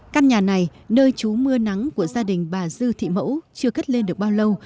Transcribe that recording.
căn nhà này nơi trú mưa nắng của gia đình bà dư thị mẫu chưa cất lên được bao lâu